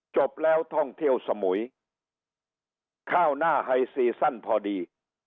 จบแล้วท่องเที่ยวสมุยข้าวหน้าไฮซีซั่นพอดี